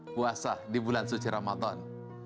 puasa di bulan suci ramadan